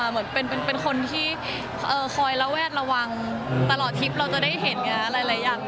เหมือนเป็นเป็นคนที่คอยเล่าแวดระวังตลอดทิศเราจะได้เห็นไงนะหลายอย่าง